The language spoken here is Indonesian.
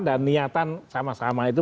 dan niatan sama sama itu